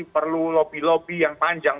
perlu lobby lobby yang panjang